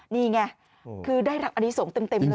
นี่ไงคือได้รักษณีย์ส่งเต็มเลย